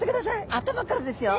頭からですよ。